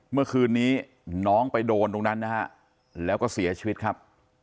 เมื่อคืนนี้น้องไปโดนตรงนั้นนะฮะแล้วก็เสียชีวิตครับ